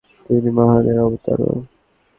তিনি মহাদেবের অবতার।